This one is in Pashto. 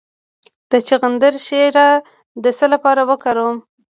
د چغندر شیره د څه لپاره وکاروم؟